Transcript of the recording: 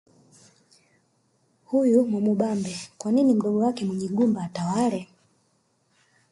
Huyu Mwamubambe kwa nini mdogo wake Munyigumba atawale